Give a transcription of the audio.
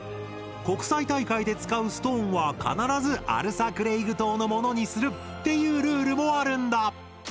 国際大会で使うストーンは必ずアルサクレイグ島のものにするっていうルールもあるんだ！